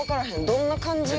どんな感じ？